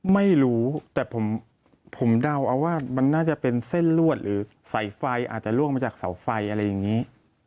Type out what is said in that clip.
ไม่รู้แต่ผมเดาเอาว่ามันน่าจะเป็นเส้นลวดหรือสายไฟอาจจะล่วงมาจากเสาไฟอะไรอย่างนี้